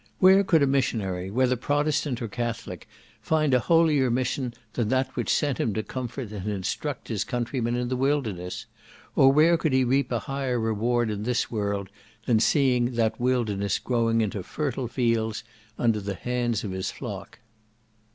Where could a missionary, whether Protestant or Catholic, find a holier mission than that which sent him to comfort and instruct his countrymen in the wilderness? or where could he reap a higher reward in this world, than seeing that wilderness growing into fertile fields under the hands of his flock?